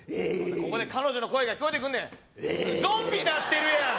ここで彼女の声が聞こえてくるゾンビなってるやん！